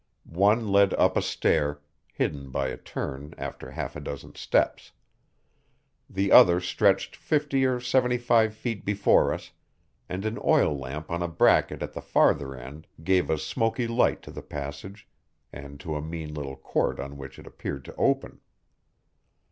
One led up a stair, hidden by a turn after half a dozen steps. The other stretched fifty or seventy five feet before us, and an oil lamp on a bracket at the farther end gave a smoky light to the passage and to a mean little court on which it appeared to open.